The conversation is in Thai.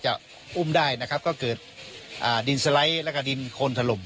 เจอของปกบัติและดีลทราบ